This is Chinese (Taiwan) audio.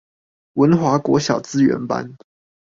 文華國小資源班